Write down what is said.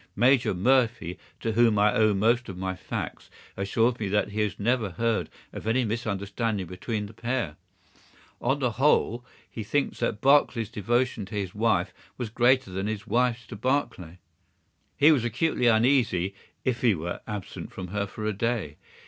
Major Murphy, to whom I owe most of my facts, assures me that he has never heard of any misunderstanding between the pair. On the whole, he thinks that Barclay's devotion to his wife was greater than his wife's to Barclay. He was acutely uneasy if he were absent from her for a day.